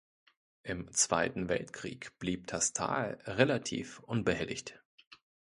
Im Zweiten Weltkrieg blieb das Tal relativ unbehelligt.